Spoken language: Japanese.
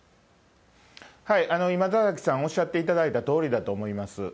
今、田崎さんおっしゃっていただいたとおりだと思います。